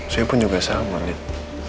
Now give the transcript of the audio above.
saya pun juga sama nih